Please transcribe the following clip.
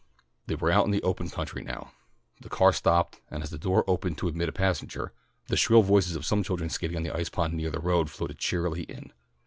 They were out in the open country now. The car stopped, and as the door opened to admit a passenger, the shrill voices of some children skating on an ice pond near the road floated cheerily in.